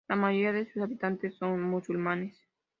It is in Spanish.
La mayoría de sus habitantes son musulmanes.